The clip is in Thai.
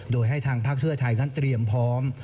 โดยให้ทางภาคเพื่อไทยนั้นเตรียมพร้อม